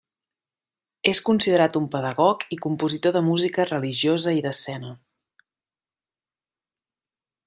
És considerat un pedagog i compositor de música religiosa i d'escena.